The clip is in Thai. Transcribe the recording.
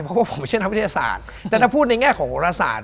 เพราะว่าพูดในแง่ของลูกศาล